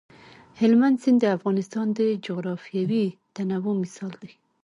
هلمند سیند د افغانستان د جغرافیوي تنوع مثال دی.